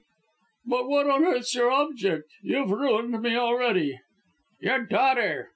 "But what on earth's your object! You've ruined me already." "Your daughter!"